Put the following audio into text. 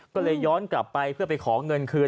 ก็เลยย้อนกลับไปเพื่อไปขอเงินคืน